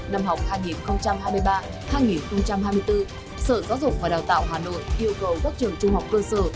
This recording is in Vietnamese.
năm học hai nghìn hai mươi ba hai nghìn hai mươi bốn sở giáo dục và đào tạo hà nội yêu cầu các trường trung học cơ sở